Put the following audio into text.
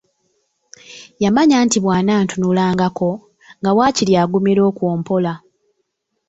Yamanya nti bw'anantunulangako nga waakiri agumira okwo mpola.